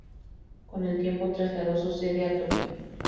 Con el tiempo, trasladó su sede a Tokio.